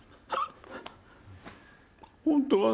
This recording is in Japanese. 本当はね